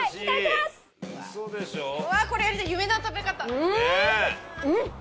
うん！